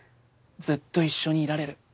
ずっと一緒にいられる。